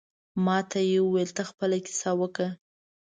ماته یې ویل ته خپله کیسه وکړه.